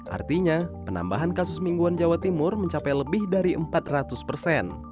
artinya penambahan kasus mingguan jawa timur mencapai lebih dari empat ratus persen